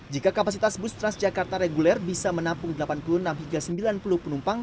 jika kapasitas bus transjakarta reguler bisa menampung delapan puluh enam hingga sembilan puluh penumpang